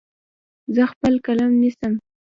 زه خپل قلم نیسم.